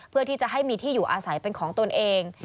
เพื่อที่จะให้มีที่อยู่อาศัยเป็นของตนเอง